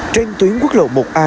trên tuyến quốc lộ một a